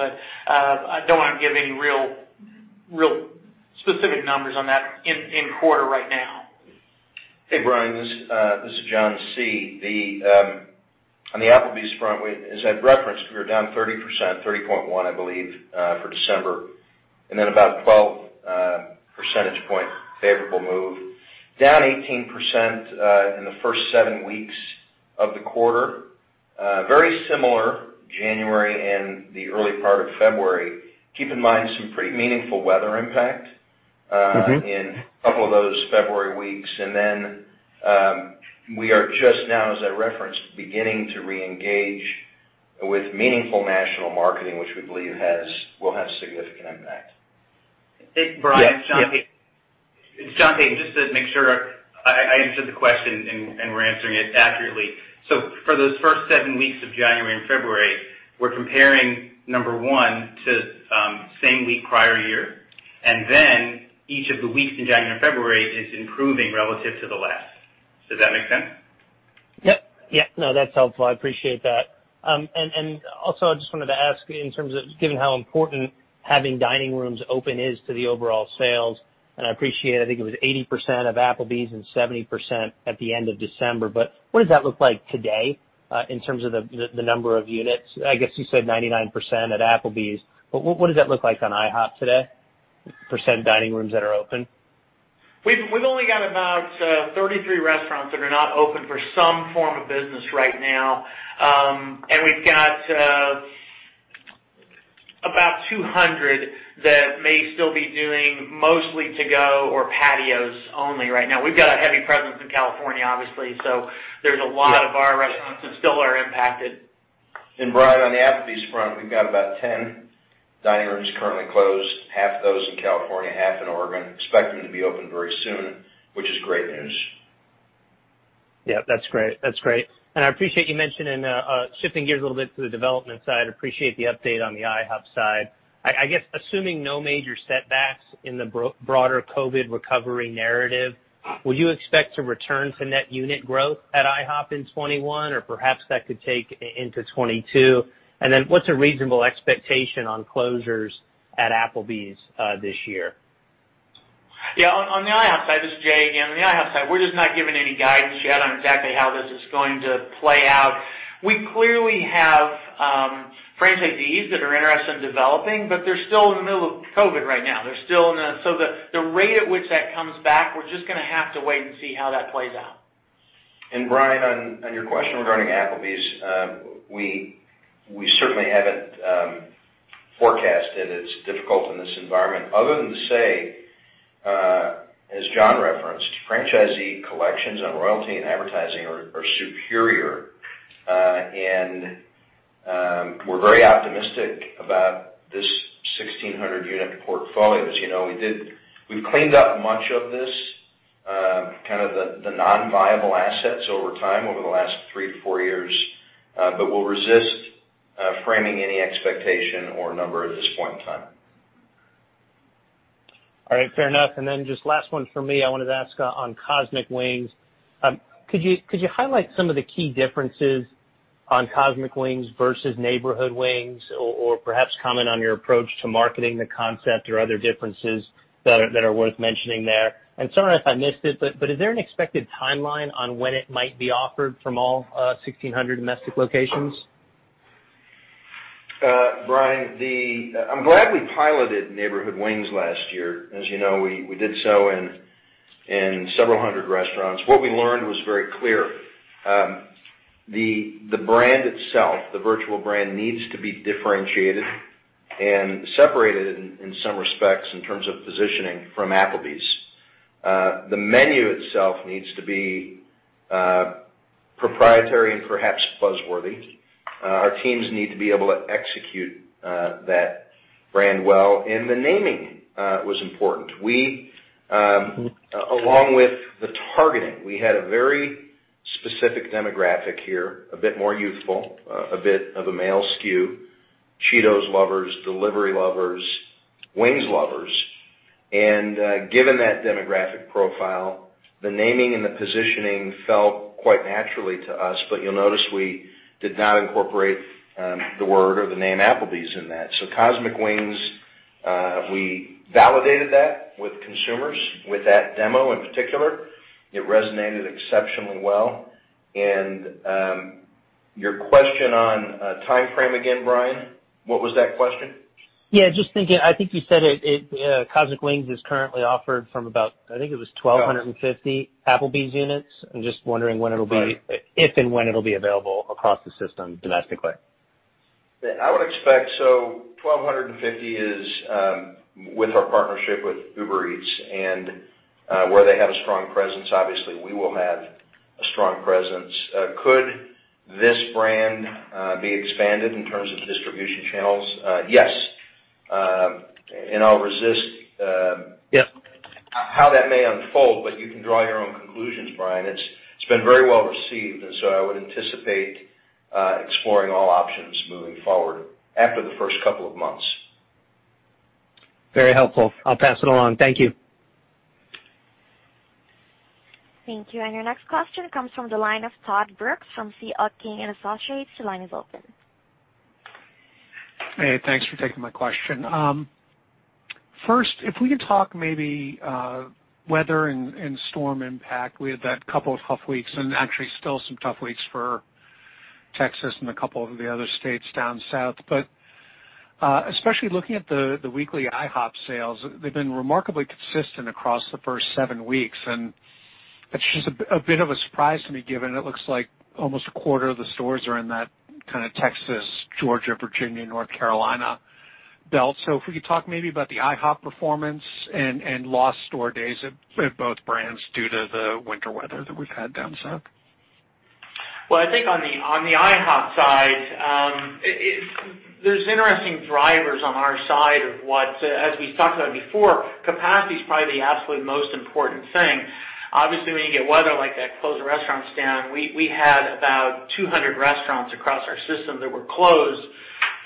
I don't want to give any real real specific numbers on that in quarter right now. Hey, Brian, this is John C. On the Applebee's front, as I've referenced, we were down 30%, 30.1%, I believe, for December. Then about 12 percentage point favorable move. Down 18% in the first seven weeks of the quarter. Very similar January and the early part of February. Keep in mind some pretty meaningful weather impact. in a couple of those February weeks. We are just now, as I referenced, beginning to reengage with meaningful national marketing, which we believe will have significant impact. Hey, Brian, it's John Peyton. Just to make sure I answered the question and we're answering it accurately. For those first seven weeks of January and February, we're comparing number one to same week prior year. Each of the weeks in January and February is improving relative to the last. Does that make sense? Yep. No, that's helpful. I appreciate that. I just wanted to ask, given how important having dining rooms open is to the overall sales, and I appreciate, I think it was 80% of Applebee's and 70% at the end of December, but what does that look like today in terms of the number of units? I guess you said 99% at Applebee's, but what does that look like on IHOP today? Percent dining rooms that are open. We've only got about 33 restaurants that are not open for some form of business right now. We've got about 200 that may still be doing mostly to-go or patios only right now. We've got a heavy presence in California, obviously, there's a lot of our restaurants that still are impacted. Brian, on the Applebee's front, we've got about 10 dining rooms currently closed, half those in California, half in Oregon. Expect them to be open very soon, which is great news. Yeah, that's great. I appreciate you mentioning, shifting gears a little bit to the development side, appreciate the update on the IHOP side. I guess assuming no major setbacks in the broader COVID-19 recovery narrative, will you expect to return to net unit growth at IHOP in 2021, or perhaps that could take into 2022? Then what's a reasonable expectation on closures at Applebee's this year? Yeah, on the IHOP side, this is Jay again. On the IHOP side, we're just not giving any guidance yet on exactly how this is going to play out. We clearly have franchisees that are interested in developing, they're still in the middle of COVID right now. The rate at which that comes back, we're just going to have to wait and see how that plays out. Brian, on your question regarding Applebee's, we certainly haven't forecasted. It's difficult in this environment, other than to say, as John referenced, franchisee collections on royalty and advertising are superior. We're very optimistic about this 1,600 unit portfolio. As you know, we've cleaned up much of this, kind of the non-viable assets over time, over the last three to four years. We'll resist framing any expectation or number at this point in time. All right, fair enough. Just last one from me. I wanted to ask on Cosmic Wings, could you highlight some of the key differences on Cosmic Wings versus Neighborhood Wings? Perhaps comment on your approach to marketing the concept or other differences that are worth mentioning there? Sorry if I missed it, is there an expected timeline on when it might be offered from all 1,600 domestic locations? Brian, I'm glad we piloted Neighborhood Wings last year. As you know, we did so in several hundred restaurants. What we learned was very clear. The brand itself, the virtual brand, needs to be differentiated and separated in some respects in terms of positioning from Applebee's. The menu itself needs to be proprietary and perhaps buzz-worthy. Our teams need to be able to execute that brand well, and the naming was important. Along with the targeting, we had a very specific demographic here, a bit more youthful, a bit of a male skew, Cheetos lovers, delivery lovers, wings lovers. Given that demographic profile, the naming and the positioning felt quite naturally to us, but you'll notice we did not incorporate the word or the name Applebee's in that. Cosmic Wings, we validated that with consumers, with that demo in particular. It resonated exceptionally well. Your question on timeframe again, Brian, what was that question? I think you said it, Cosmic Wings is currently offered from about, I think it was 1,250 Applebee's units. I'm just wondering if and when it'll be available across the system domestically. I would expect, 1,250 is with our partnership with Uber Eats, and where they have a strong presence, obviously, we will have a strong presence. Could this brand be expanded in terms of distribution channels? Yes. Yep how that may unfold, but you can draw your own conclusions, Brian. It's been very well received. I would anticipate exploring all options moving forward after the first couple of months. Very helpful. I'll pass it along. Thank you. Thank you. Your next question comes from the line of Todd Brooks from CFRA. Your line is open. Hey, thanks for taking my question. First, if we could talk maybe weather and storm impact. We had that couple of tough weeks, and actually still some tough weeks for Texas and a couple of the other states down South. Especially looking at the weekly IHOP sales, they've been remarkably consistent across the first seven weeks, and that's just a bit of a surprise to me, given it looks like almost a quarter of the stores are in that Texas, Georgia, Virginia, North Carolina belt. If we could talk maybe about the IHOP performance and lost store days at both brands due to the winter weather that we've had down south. I think on the IHOP side, there's interesting drivers on our side. As we've talked about before, capacity is probably the absolute most important thing. Obviously, when you get weather like that, closed restaurants down. We had about 200 restaurants across our system that were closed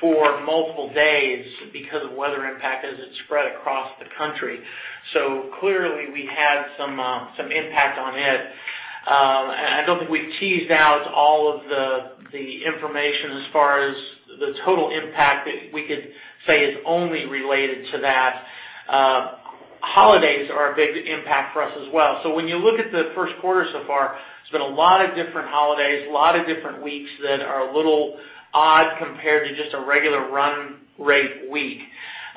for multiple days because of weather impact as it spread across the country. Clearly, we had some impact on it. I don't think we've teased out all of the information as far as the total impact that we could say is only related to that. Holidays are a big impact for us as well. When you look at the first quarter so far, there's been a lot of different holidays, a lot of different weeks that are a little odd compared to just a regular run rate week.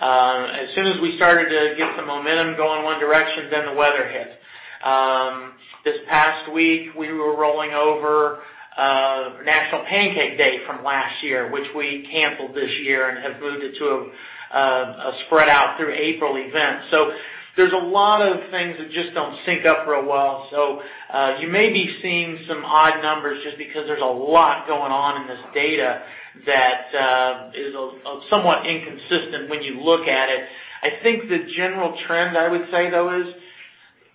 As soon as we started to get some momentum going one direction, the weather hit. This past week, we were rolling over National Pancake Day from last year, which we canceled this year and have moved it to a spread out through April event. There's a lot of things that just don't sync up for a while. You may be seeing some odd numbers just because there's a lot going on in this data that is somewhat inconsistent when you look at it. I think the general trend, I would say, though, is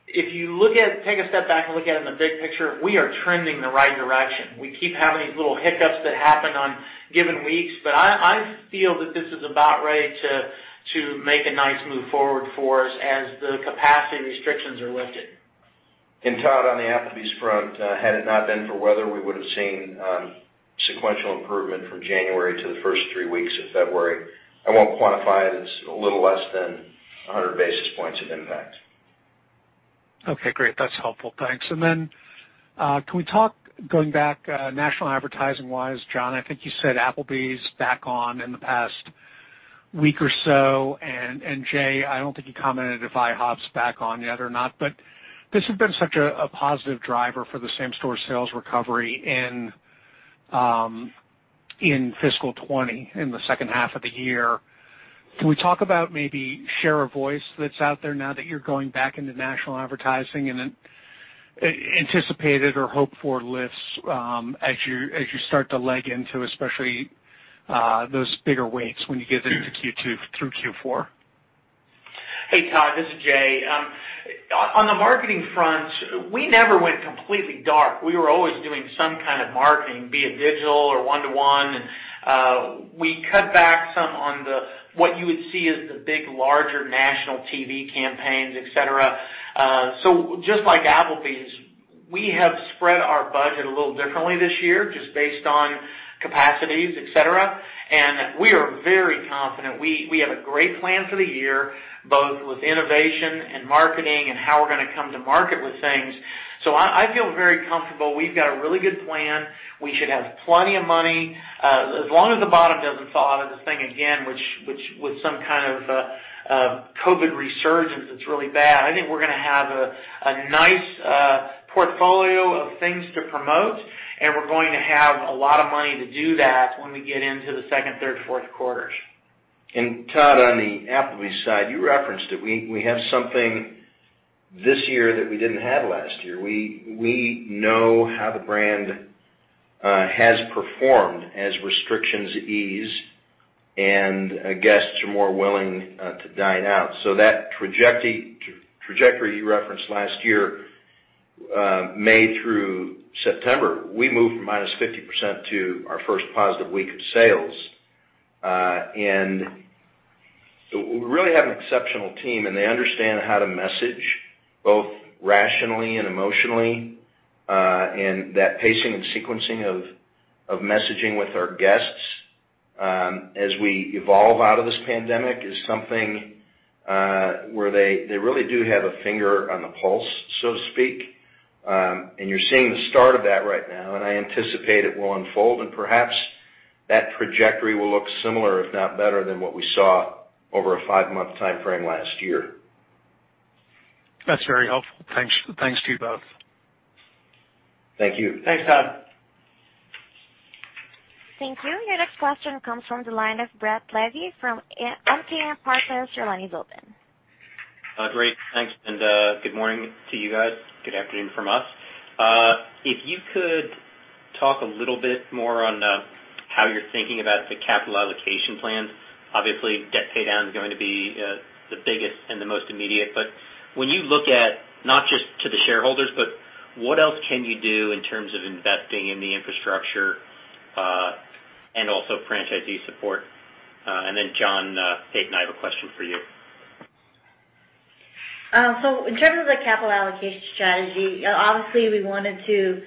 if you take a step back and look at it in the big picture, we are trending in the right direction. We keep having these little hiccups that happen on given weeks, I feel that this is about ready to make a nice move forward for us as the capacity restrictions are lifted. Todd, on the Applebee's front, had it not been for weather, we would have seen sequential improvement from January to the first three weeks of February. I won't quantify it. It's a little less than 100 basis points of impact. Okay, great. That's helpful. Thanks. Can we talk, going back national advertising wise, John, I think you said Applebee's back on in the past week or so. Jay, I don't think you commented if IHOP's back on yet or not. This has been such a positive driver for the comp sales recovery in fiscal 2020, in the second half of the year. Can we talk about maybe share of voice that's out there now that you're going back into national advertising, and then anticipated or hoped-for lifts as you start to leg into, especially those bigger weights when you get into Q2 through Q4? Hey, Todd, this is Jay. On the marketing front, we never went completely dark. We were always doing some kind of marketing, be it digital or one-to-one. We cut back some on what you would see as the big, larger national TV campaigns, et cetera. Just like Applebee's, we have spread our budget a little differently this year just based on capacities, et cetera. We are very confident. We have a great plan for the year, both with innovation and marketing and how we're going to come to market with things. I feel very comfortable. We've got a really good plan. We should have plenty of money. As long as the bottom doesn't fall out of this thing again, with some kind of COVID resurgence that's really bad, I think we're going to have a nice portfolio of things to promote, and we're going to have a lot of money to do that when we get into the second, third, fourth quarters. Todd, on the Applebee's side, you referenced it. We have something this year that we didn't have last year. We know how the brand has performed as restrictions ease and guests are more willing to dine out. That trajectory you referenced last year, May through September, we moved from -50% to our first positive week of sales. We really have an exceptional team, and they understand how to message both rationally and emotionally. That pacing and sequencing of messaging with our guests as we evolve out of this pandemic is something where they really do have a finger on the pulse, so to speak. You're seeing the start of that right now, and I anticipate it will unfold, and perhaps that trajectory will look similar, if not better, than what we saw over a five-month timeframe last year. That's very helpful. Thanks to you both. Thank you. Thanks, Todd. Thank you. Your next question comes from the line of Brad Levy from MKM Partners. Your line is open. Great. Thanks. Good morning to you guys. Good afternoon from us. If you could talk a little bit more on how you're thinking about the capital allocation plans. Obviously, debt pay down is going to be the biggest and the most immediate. When you look at, not just to the shareholders, what else can you do in terms of investing in the infrastructure and also franchisee support. John Peyton, I have a question for you. In terms of the capital allocation strategy, obviously, we wanted to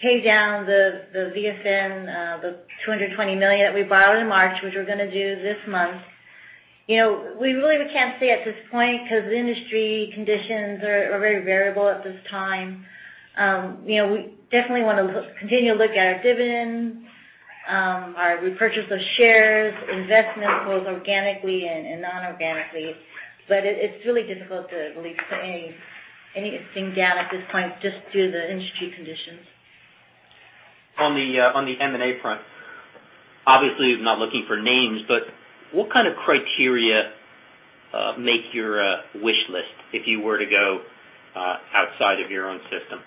pay down the VFN, the $220 million that we borrowed in March, which we're going to do this month. We really can't say at this point because the industry conditions are very variable at this time. We definitely want to continue to look at our dividends, our repurchase of shares, investments, both organically and non-organically. It's really difficult to really pin anything down at this point just due to the industry conditions. On the M&A front, obviously, not looking for names, but what kind of criteria make your wish list if you were to go outside of your own system?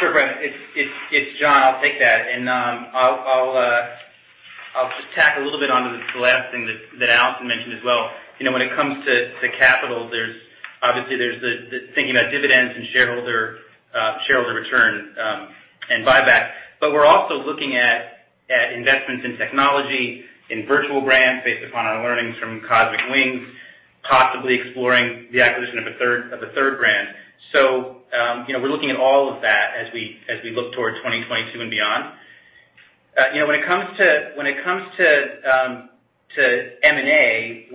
Sure, Brad. It's John. I'll take that, and I'll just tack a little bit onto the last thing that Allison mentioned as well. When it comes to capital, obviously, there's the thinking about dividends and shareholder return and buyback. We're also looking at investments in technology, in virtual brands based upon our learnings from Cosmic Wings, possibly exploring the acquisition of a third brand. We're looking at all of that as we look toward 2022 and beyond. When it comes to M&A,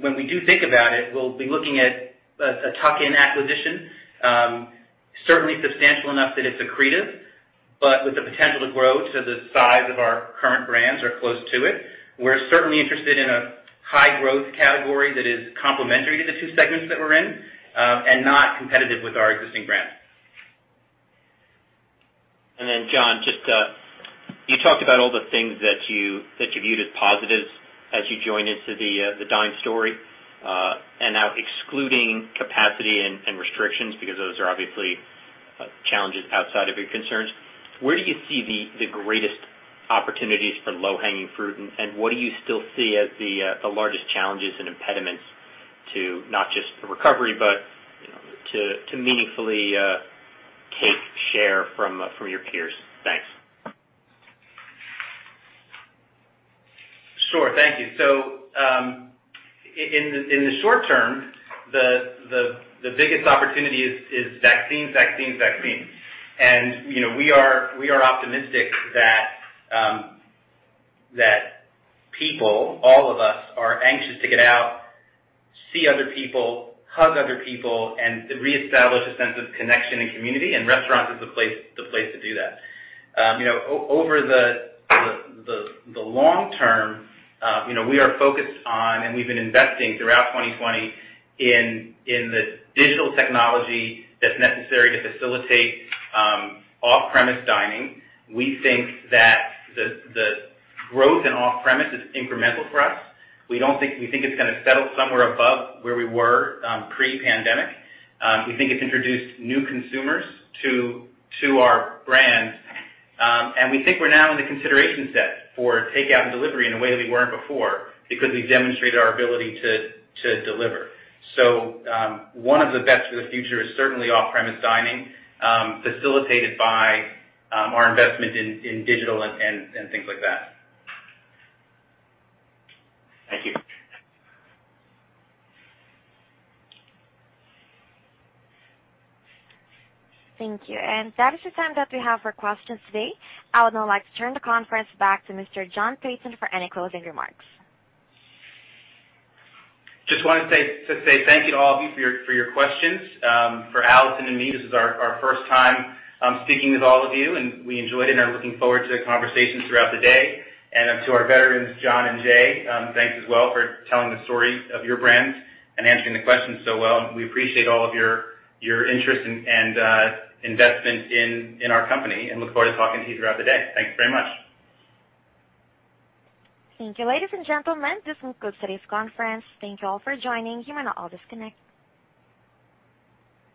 when we do think about it, we'll be looking at a tuck-in acquisition. Certainly substantial enough that it's accretive, but with the potential to grow to the size of our current brands or close to it. We're certainly interested in a high-growth category that is complementary to the two segments that we're in and not competitive with our existing brands. John, you talked about all the things that you viewed as positives as you joined into the Dine story. Now excluding capacity and restrictions, because those are obviously challenges outside of your concerns, where do you see the greatest opportunities for low-hanging fruit, and what do you still see as the largest challenges and impediments to not just the recovery, but to meaningfully take share from your peers? Thanks. Sure. Thank you. In the short term, the biggest opportunity is vaccine. We are optimistic that people, all of us, are anxious to get out, see other people, hug other people, and reestablish a sense of connection and community, and restaurant is the place to do that. Over the long term, we are focused on, and we've been investing throughout 2020 in the digital technology that's necessary to facilitate off-premise dining. We think that the growth in off-premise is incremental for us. We think it's going to settle somewhere above where we were pre-pandemic. We think it's introduced new consumers to our brands, and we think we're now in the consideration set for takeout and delivery in a way we weren't before because we demonstrated our ability to deliver. One of the bets for the future is certainly off-premise dining, facilitated by our investment in digital and things like that. Thank you. Thank you. That is the time that we have for questions today. I would now like to turn the conference back to Mr. John Peyton for any closing remarks. Just wanted to say thank you to all of you for your questions. For Allison and me, this is our first time speaking with all of you, and we enjoyed it and are looking forward to the conversation throughout the day. To our veterans, John and Jay, thanks as well for telling the stories of your brands and answering the questions so well. We appreciate all of your interest and investment in our company, and look forward to talking to you throughout the day. Thank you very much. Thank you, ladies and gentlemen. This will conclude today's conference. Thank you all for joining. You may now all disconnect.